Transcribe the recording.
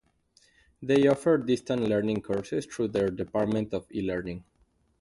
They offer distance learning courses through their Department of eLearning.